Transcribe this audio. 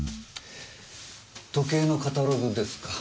時計のカタログですか。